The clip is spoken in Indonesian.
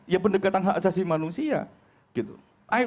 ya pendekatan hak asasi manusia gitu